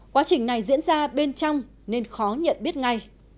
quá trình này diễn ra bên trong nên khó nhận biết ngay